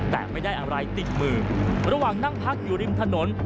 แต่ไม่ได้อะไรติดมือระหว่างนั่งพักอยู่ริมถนน